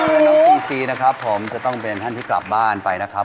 ก็จะเอาคำติชมนะคะคำแนะนำของกรรมการทุกเพลงเลยค่ะ